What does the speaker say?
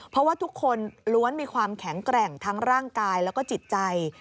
เพราะว่าทุกคนล้วนมีความแข็งแกร่งทั้งร่างกายแล้วก็จิตใจ